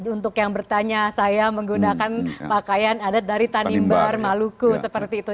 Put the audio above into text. untuk yang bertanya saya menggunakan pakaian adat dari tanimbar maluku seperti itu